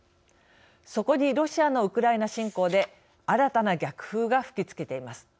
そこにロシアのウクライナ侵攻で新たな逆風が吹きつけています。